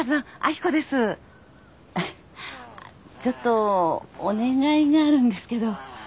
あっちょっとお願いがあるんですけど。